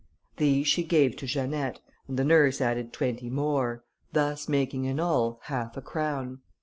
These she gave to Janette, and the nurse added twenty more, thus making in all half a crown.